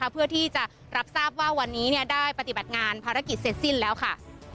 เพื่อที่จะรับทราบว่าวันนี้ได้ปฏิบัติงานภารกิจเสร็จสิ้นแล้วค่ะ